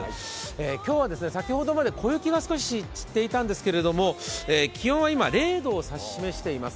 今日は先ほどまで小雪が少し散っていたんですけれども、気温は今、０度を指し示しています。